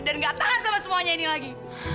dan gak tahan sama semuanya ini lagi